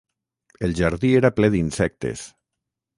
El jardí era ple d'insectes.